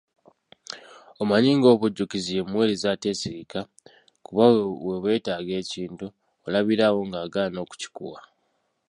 Omanyi ng'obujjukizi ye muweereza ateesigika, kuba bwe weetaaga ekintu, olabira awo ng'agaana okukikuwa.